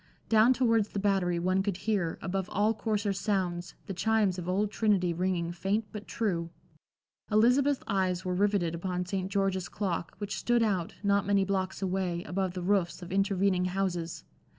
Down towards the Battery one could hear, above all coarser sounds, the chimes of Old Trinity ringing faint but true. Elizabeth's eyes were riveted upon St. George's clock, which stood out, not many blocks away, above the roofs of intervening houses.